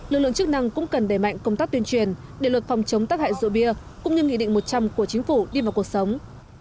lực lượng chức năng cũng cần đẩy mạnh công tác tuyên truyền để luật phòng chống tác hại rượu bia cũng như nghị định một trăm linh của chính phủ đi vào cuộc sống